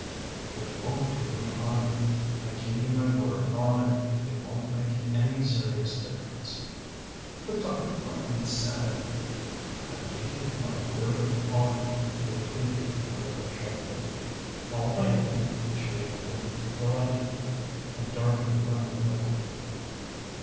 "It won't do me harm. I give you my word of honour it won't make any serious difference." "But Dr. Parkman said " "I give you my word of honour," he repeated, a little sharply. "All right, then," she relented, reluctantly, and darkened the room a little.